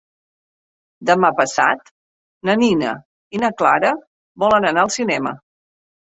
Demà passat na Nina i na Clara volen anar al cinema.